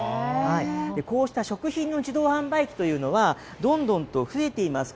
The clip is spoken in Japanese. こうした食品の自動販売機というのは、どんどんと増えています。